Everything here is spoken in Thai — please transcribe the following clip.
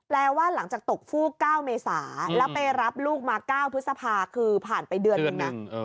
ว่าหลังจากตกฟูก๙เมษาแล้วไปรับลูกมา๙พฤษภาคือผ่านไปเดือนนึงนะ